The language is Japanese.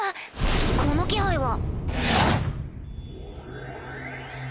この気配は